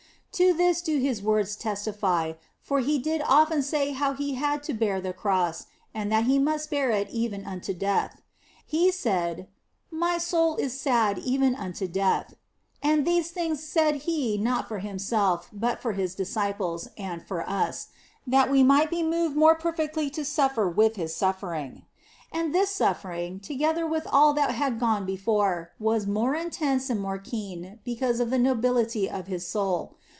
To this do His words testify, for He did often say how that He had to bear the Cross and that He must bear it even unto death. He said, " My soul is sad even unto death," and these things said He not for Himself, but for His disciples and for us, that we might be moved the more perfectly to suffer with His suffering. And this suffering, together with all that had gone before, was more intense and more keen because of the nobility of His soul.